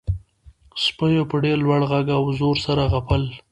سپیو په ډیر لوړ غږ او زور سره غپل